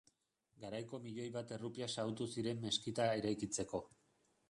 Garaiko milioi bat errupia xahutu ziren meskita eraikitzeko.